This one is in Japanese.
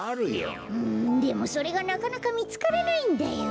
うんでもそれがなかなかみつからないんだよ。